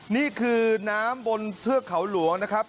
นี่คือน้ำบนเทือกเขาหลวงนะครับ